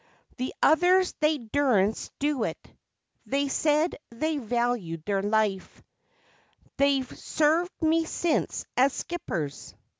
The others they duresn't do it; they said they valued their life (They've served me since as skippers).